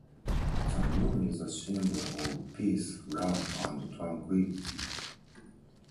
The moon is a symbol of peace, love, and tranquility.